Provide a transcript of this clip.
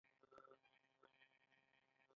په پنجشنبې شپه د غیږ نیونې سیالۍ وي.